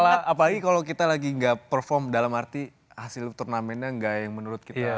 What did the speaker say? apalagi kalau kita lagi nggak perform dalam arti hasil turnamennya nggak yang menurut kita